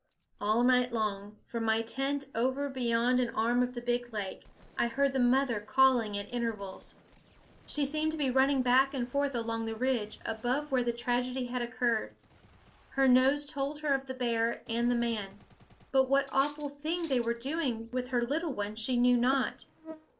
All night long, from my tent over beyond an arm of the big lake, I heard the mother calling at intervals. She seemed to be run ning back and forth along the ridge, above where the tragedy had occurred. Her nose told her of the bear and the man ; but what awful thing they were doing with her little one she knew not.